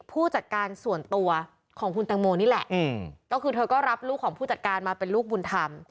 ผู้จัดการส่วนตัวของคุณแตงโมนี่แหละก็คือเธอก็รับลูกของผู้จัดการมาเป็นลูกบุญธรรม